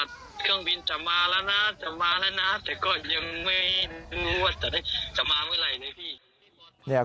แต่ก็ยังไม่รู้ว่าจะมาเมื่อไหร่นะพี่